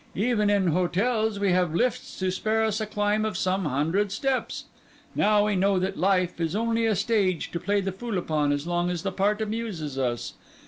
Even in hotels we have lifts to spare us a climb of some hundred steps. Now, we know that life is only a stage to play the fool upon as long as the part amuses us.